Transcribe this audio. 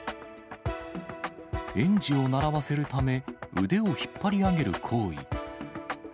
園児を並ばせるため、腕を引っ張り上げる行為。